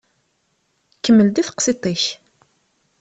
Kemmel-d i teqsiṭ-ik.